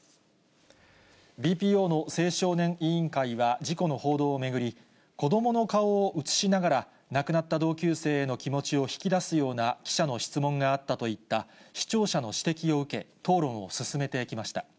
ＢＰＯの青少年委員会は、事故の報道を巡り、子どもの顔を映しながら、亡くなった同級生への気持ちを引き出すような記者の質問があったといった視聴者の指摘を受け、討論を進めてきました。